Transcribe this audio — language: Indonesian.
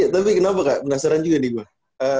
tapi kenapa kak penasaran juga nih mbak